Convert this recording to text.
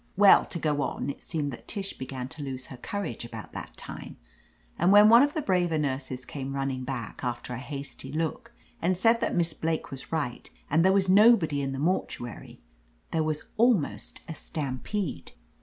Well, to go on, it seemed that Tish began to lose her courage about that time, and when one of the braver nurses came running back, after a hasty look, and said that Miss Blake was right, and there was no body in the mor tuary, there was almost a stampede.